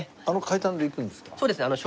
あの階段で行くんですか？